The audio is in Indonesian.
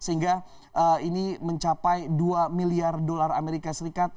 sehingga ini mencapai dua miliar dolar amerika serikat